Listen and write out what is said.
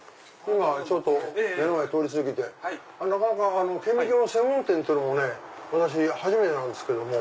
目の前通り過ぎてなかなか顕微鏡の専門店っつうのもね私初めてなんですけども。